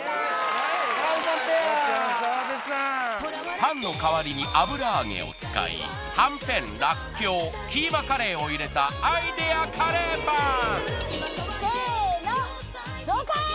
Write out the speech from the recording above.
パンの代わりに油揚げを使い、はんぺん、らっきょう、キーマカレーを入れたアイデアカレーパン。